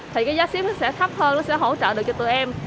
thì cái giá xếp nó sẽ thấp hơn nó sẽ hỗ trợ được cho tụi em